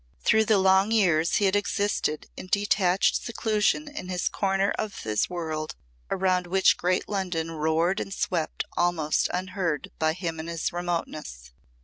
Through the long years he had existed in detached seclusion in his corner of his world around which great London roared and swept almost unheard by him in his remoteness.